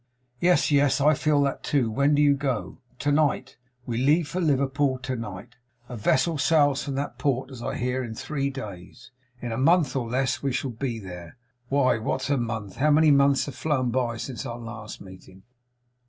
'Yes, yes. I feel that too. When do you go?' 'To night. We leave for Liverpool to night. A vessel sails from that port, as I hear, in three days. In a month, or less, we shall be there. Why, what's a month! How many months have flown by, since our last parting!